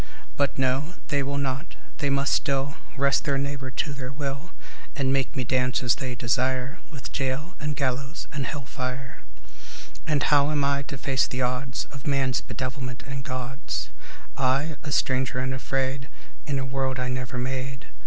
But no, they will not; they must still Wrest their neighbour to their will, And make me dance as they desire With jail and gallows and hell fire. And how am I to face the odds Of man's bedevilment and God's? I, a stranger and afraid In a world I never made.